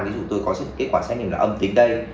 ví dụ tôi có kết quả xét nghiệm là âm tính đây